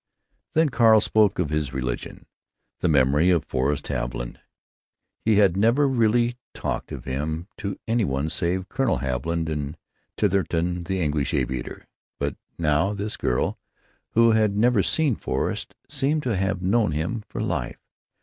Then Carl spoke of his religion—the memory of Forrest Haviland. He had never really talked of him to any one save Colonel Haviland and Titherington, the English aviator; but now this girl, who had never seen Forrest, seemed to have known him for life.